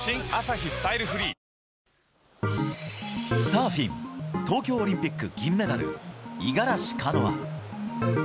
サーフィン、東京オリンピック銀メダル、五十嵐カノア。